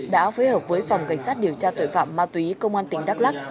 đã phối hợp với phòng cảnh sát điều tra tội phạm ma túy công an tỉnh đắk lắc